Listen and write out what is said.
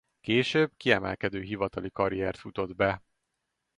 Később kiemelkedő hivatali karriert futott be.